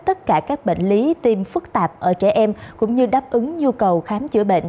tất cả các bệnh lý tim phức tạp ở trẻ em cũng như đáp ứng nhu cầu khám chữa bệnh